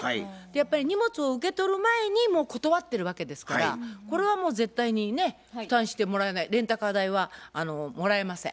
やっぱり荷物を受け取る前にもう断ってるわけですからこれはもう絶対にね負担してもらえないレンタカー代はもらえません。